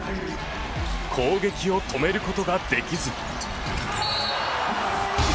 攻撃を止めることができず。